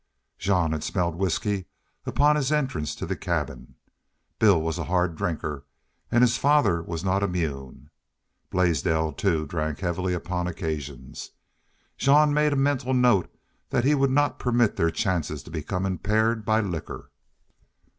Jean had smelled whisky upon his entrance to this cabin. Bill was a hard drinker, and his father was not immune. Blaisdell, too, drank heavily upon occasions. Jean made a mental note that he would not permit their chances to become impaired by liquor.